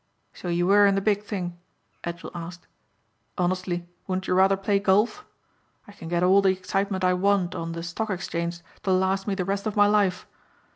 "So you were in the big thing?" Edgell asked. "Honestly wouldn't you rather play golf? I can get all the excitement I want on the Stock Exchange to last me the rest of my life.